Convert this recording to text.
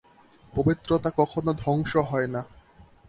পবিত্রতা কখনও ধ্বংস হয় না।